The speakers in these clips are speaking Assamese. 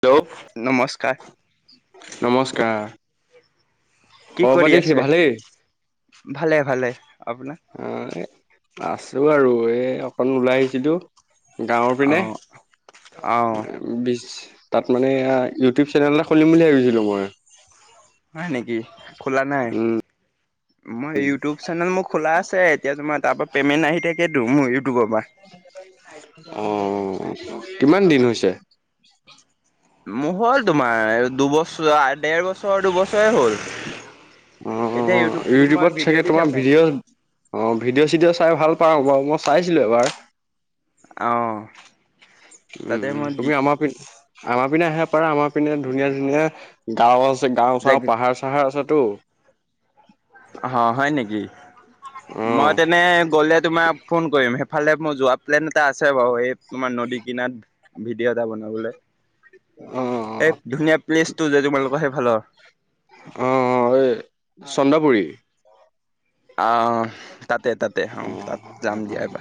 হেল্ল' নমস্কাৰ নমস্কাৰ খবৰ কৰি পাতি কি আছে ভালেই? ভালে ভালে আপোনাৰ অহ। আছো আৰু এ অকন ওলাই আহিছিলোঁ। গাঁৱৰ অ পিনে অ বিশ তাত মানে এয়া ইউটিউব চেনেল এটা খুলিম বুলি ভাবিছিলো মই। হয় নেকি খোলা নাই উম মই ইউটিউব চেনেল মোৰ খোলা আছে এতিয়া তোমাৰ তাৰ পৰা পেমেন্ট আহি থাকেতো মোৰ ইউটিউবৰ পৰা। অ কিমান দিন হৈছে? মোৰ হ'ল তোমাৰ দুবছৰ ডেৰবছৰ দুবছৰে হ'ল। অ এতিয়া অ ইউটিউবতো মই ইউটিউবত ভিডিঅ' চাগে দি তোমাৰ থাকো ভিডিঅ' আহ ভিডিঅ' চিডিঅ' চাই ভাল পাওঁ বাৰু মই চাইছিলো এবাৰ। আহ উম তুমি আমাৰ পি আমাৰ পিনে আহে পাৰা আমাৰ পিনে ধুনীয়া ধুনীয়া গছ ছে গাওঁ চাও জেগি পাহাৰ চাহাৰ আছেতো। অ', হয় নেকি। অ মই তেনে গ'লে তোমাক ফোন কৰিম সেইফালে মই যোৱা প্লেন এটা আছে বাৰু এই তোমাৰ নদী কিনাৰ ভিডিঅ' এটা বনাবলৈ। অ', অ। এই ধুনীয়া প্লেচটো যে তোমালোকৰ সেইফালৰ অ অ এই চন্দ্ৰাপুুৰী। আহ, তাতে তাতে অ', আহ তাত যাম দিয়াবা।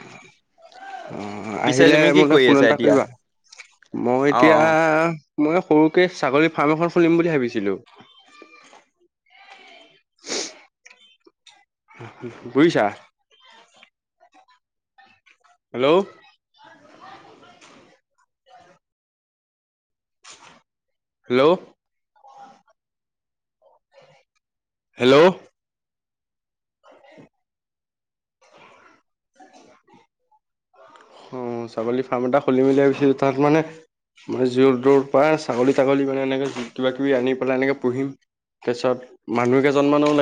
অঁ আহিলে মোলৈ ফোন এটা কৰিবা মই অ এতিয়া অ মই সৰুকে ছাগলী ফাৰ্ম এখন খুলিম বুলি ভাবিছিলো। বুজিছা। হেল্ল'। Hello hello. অ ছাগলী ফাৰ্ম এটা খুলিম বুলি ভাবিছিলো তাত মানে মমই জৰ দৌৰ পৰা ছাগলী তাগলী মানে এনেকে কিব কিবি আনি পেলাই এনেকে পুহিম। তাৰ পিছত মানুহ কেইজনমানানো লাগে